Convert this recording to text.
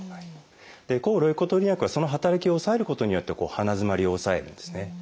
抗ロイコトリエン薬はその働きを抑えることによって鼻づまりを抑えるんですね。